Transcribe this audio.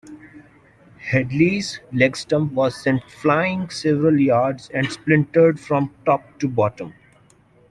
Headley's leg stump was sent flying several yards and splintered from top to bottom.